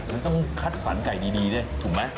มันต้องคัดสรรไก่ดีดิถูกมั้ย